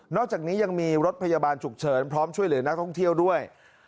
อกจากนี้ยังมีรถพยาบาลฉุกเฉินพร้อมช่วยเหลือนักท่องเที่ยวด้วย